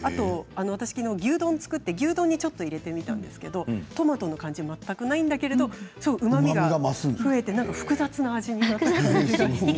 私、きのう牛丼を作ってちょっと入れてみたんですけどトマトの感じが全くないんだけどうまみが増えて複雑な味になりました。